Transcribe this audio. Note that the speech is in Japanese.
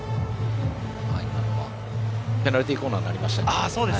今のはペナルティーコーナーになりましたね。